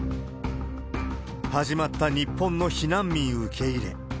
始まった日本の避難民受け入れ。